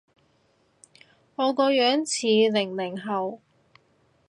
我個樣似零零後？